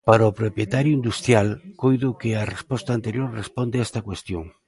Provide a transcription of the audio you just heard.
Para o propietario industrial, coido que a resposta anterior responde a esta cuestión.